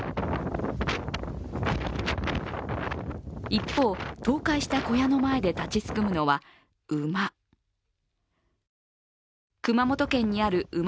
一方、倒壊した小屋の前で立ち尽くすのは馬。